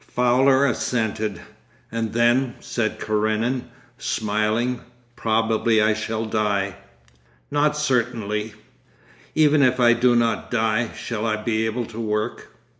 Fowler assented. 'And then,' said Karenin, smiling, 'probably I shall die.' 'Not certainly.' 'Even if I do not die; shall I be able to work?